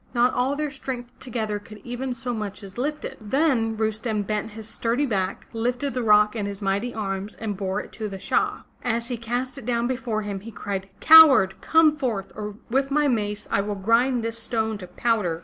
Not all their strength together could even so much as lift it. Then Rustem bent his sturdy back, lifted the rock in his mighty arms and bore it to the Shah. As he cast it down before him, he cried: Coward, come forth or with my mace I will grind this stone to powder!"